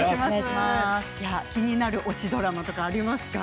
気になる推しドラマはありますか？